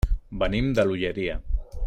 Venim de l'Olleria.